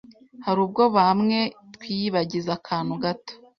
Hari ubwo bamwe twiyibagiza akantu gato